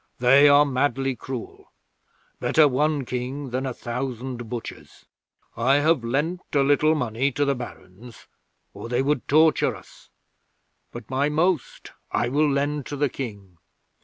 They are madly cruel. Better one King than a thousand butchers. I have lent a little money to the Barons, or they would torture us, but my most I will lend to the King.